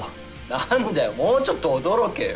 なんだよもうちょっと驚けよ。